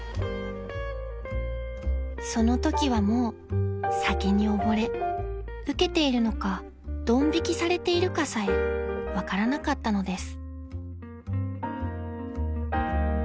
［そのときはもう酒に溺れウケているのかドン引きされているかさえ分からなかったのです］